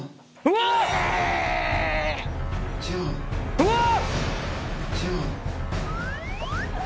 うわっ！